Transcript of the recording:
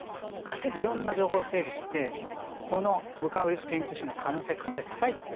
いろんな情報を整理して武漢ウイルス研究所の可能性がかなり高いと。